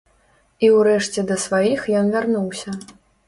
І ўрэшце да сваіх ён вярнуўся.